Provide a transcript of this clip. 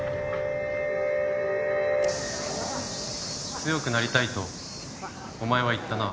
強くなりたいとお前は言ったな。